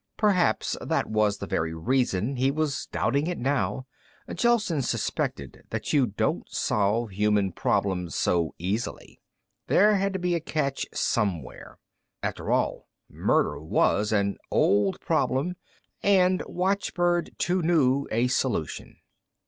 Perhaps that was the very reason he was doubting it now. Gelsen suspected that you don't solve human problems so easily. There had to be a catch somewhere. After all, murder was an old problem, and watchbird too new a solution.